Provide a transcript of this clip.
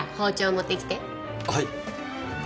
はい。